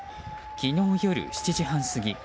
昨日夜、７時半過ぎ。